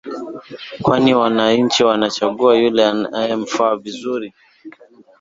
kwani wananchi wanachagua yule wanayemfahamu vizuri